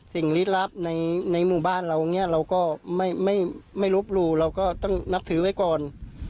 สิ่งลิตรรัพย์ในในหมู่บ้านเราเนี่ยเราก็ไม่ลุบรูเราก็ต้องนับถือไว้ก่อน